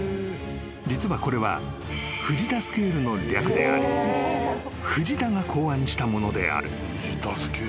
［実はこれは藤田スケールの略であり藤田が考案したものである］